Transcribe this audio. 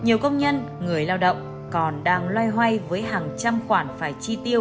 nhiều công nhân người lao động còn đang loay hoay với hàng trăm khoản phải chi tiêu